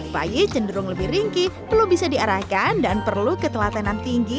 bayi cenderung lebih ringki belum bisa diarahkan dan perlu ketelatenan tinggi